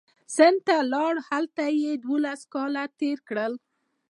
نو سند ته ولاړ او هلته یې دوولس کاله تېر کړل.